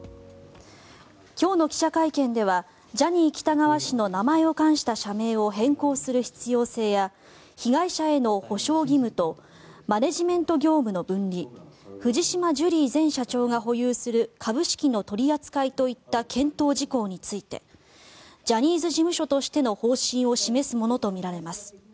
今日の記者会見ではジャニー喜多川氏の名前を冠した社名を変更する必要性や被害者への補償義務とマネジメント業務の分離藤島ジュリー前社長が保有する株式の取り扱いといった検討事項についてジャニーズ事務所としての方針を示すものとみられます。